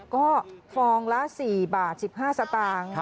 ก็ฟองละ๔บาท๑๕สตางค์